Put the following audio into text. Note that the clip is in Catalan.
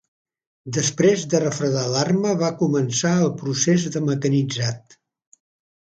Després de refredar l'arma va començar el procés de mecanitzat.